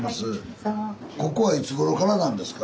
ここはいつごろからなんですか？